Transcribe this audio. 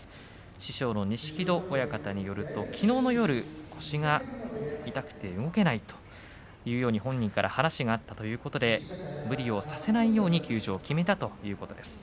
師匠の錦戸親方によるときのうの夜腰が痛くて動けないというように本人から話があったということで無理をさせないように休場を決めたということです。